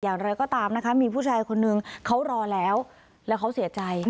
อย่างไรก็ตามนะคะมีผู้ชายคนนึงเขารอแล้วแล้วเขาเสียใจ